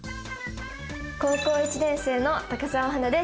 高校１年生の高沢英です。